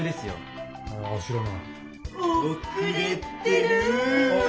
よし。